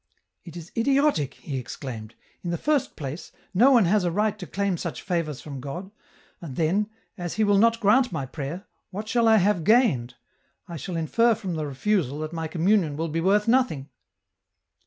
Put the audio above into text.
"It is idiotic !" he exclaimed ; "in the first place, no onehas a right to claim such favours from God ; and then, as He will not grant my prayer, what shall I have gained ? I shall infer from the refusal that my communion will be worth nothing